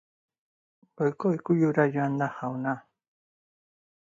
Goiko ukuilura joan da, jauna.